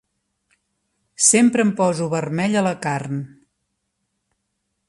Sempre em poso vermell a la carn.